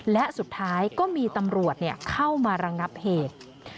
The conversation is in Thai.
และสุดท้ายก็มีตำรวจเข้ามาระงับเหตุ